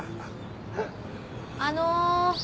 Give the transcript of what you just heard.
あの。